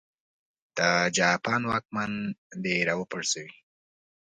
د جاپان واکمن دې را وپرځوي.